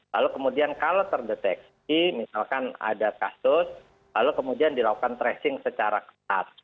lalu kemudian kalau terdeteksi misalkan ada kasus lalu kemudian dilakukan tracing secara ketat